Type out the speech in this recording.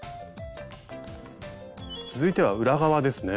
続いては裏側ですね。